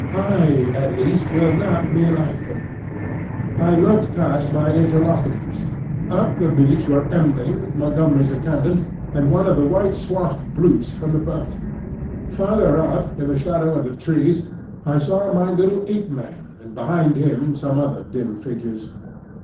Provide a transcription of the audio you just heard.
I at least will not be like them." I looked past my interlocutors. Up the beach were M'ling, Montgomery's attendant, and one of the white swathed brutes from the boat. Farther up, in the shadow of the trees, I saw my little Ape man, and behind him some other dim figures.